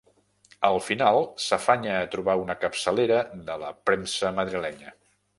Al final s'afanya a trobar una capçalera de la premsa madrilenya.